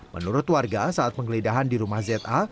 menurut warga saat penggeledahan di rumah za